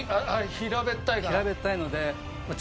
平べったいので。